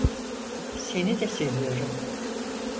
Seni de seviyorum.